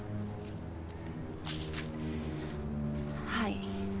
はい。